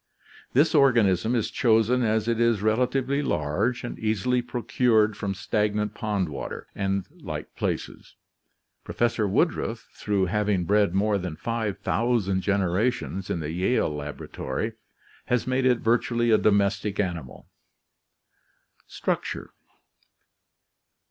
This organism is chosen as it is relatively large and easily procured from stagnant pond water, and like places. Professor Woodruff, through having THE ORGANIC KINGDOM 23 Dred more than five thousand generations in the Yale laboratory, has made it virtually a domestic animal. Structure.